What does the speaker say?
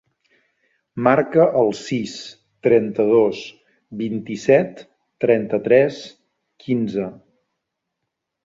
Marca el sis, trenta-dos, vint-i-set, trenta-tres, quinze.